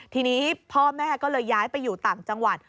ทีนี้พ่อแม่ก็เลยย้ายไปอยู่ต่างจังหวัด